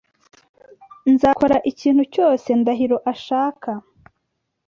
Nzakora ikintu cyose Ndahiro ashaka.